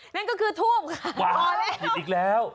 พอแล้วเอาอีกแล้ว